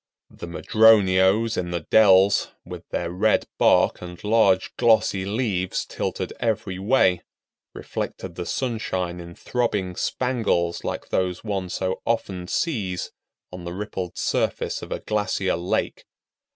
The madroños in the dells, with their red bark and large glossy leaves tilted every way, reflected the sunshine in throbbing spangles like those one so often sees on the rippled surface of a glacier lake.